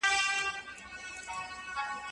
که چارواکي پریکړې وکړي اقتصاد به وده وکړي.